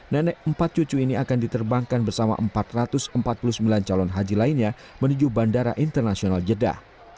nenek empat cucu ini akan diterbangkan bersama empat ratus empat puluh sembilan calon haji lainnya menuju bandara internasional jeddah